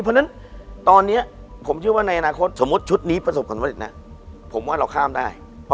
สมมติคุณได้แชมป์